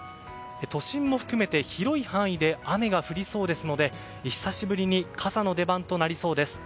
都心も含めて広い範囲で雨が降りそうですので久しぶりに傘の出番となりそうです。